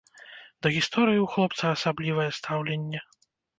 Да гісторыі ў хлопца асаблівае стаўленне.